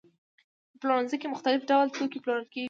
په پلورنځي کې مختلف ډول توکي پلورل کېږي.